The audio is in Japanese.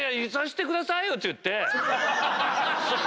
て言って。